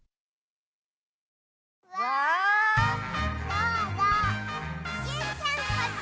どうぞジュンちゃんこっち！